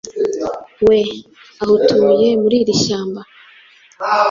We. Aho utuye, muri iri shyamba,